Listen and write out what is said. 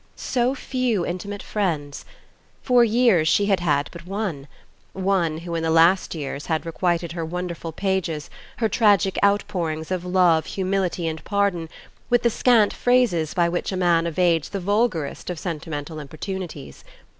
So few intimate friends! For years she had had but one; one who in the last years had requited her wonderful pages, her tragic outpourings of love, humility, and pardon, with the scant phrases by which a man evades the vulgarest of sentimental importunities.